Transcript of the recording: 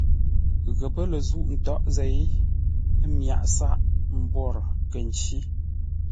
Ghəpə́ lə zûʼ ntǎghʼ zêi, ə́ myǎghʼ sǎʼ, mbwórə kə̂ ncí.